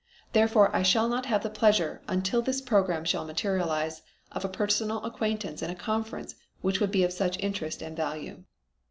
Therefore I shall not have the pleasure, until this program shall materialize, of a personal acquaintance and a conference which would be of such interest and value."